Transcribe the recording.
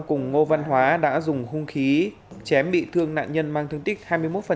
cùng ngô văn hóa đã dùng hung khí chém bị thương nạn nhân mang thương tích hai mươi một